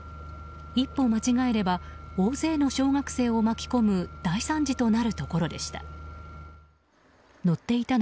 一歩間違えれば大勢の小学生を巻き込む大惨事となるところでした。